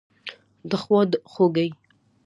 دخوا خوګۍ